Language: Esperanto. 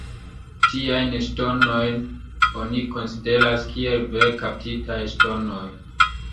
Tiajn ŝtonojn oni konsideras kiel vere kaptitaj ŝtonoj.